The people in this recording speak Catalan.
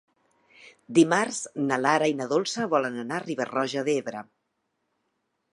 Dimarts na Lara i na Dolça volen anar a Riba-roja d'Ebre.